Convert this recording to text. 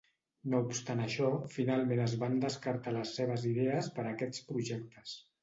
No obstant això, finalment es van descartar les seves idees per a aquests projectes.